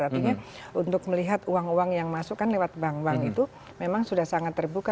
artinya untuk melihat uang uang yang masuk kan lewat bank bank itu memang sudah sangat terbuka